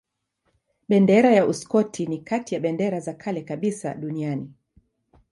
Bendera ya Uskoti ni kati ya bendera za kale kabisa duniani.